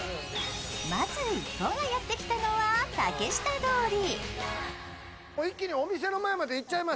まず一行がやってきたのは竹下通り。